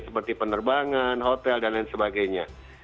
seperti penerbangan hotel dan lain sebagainya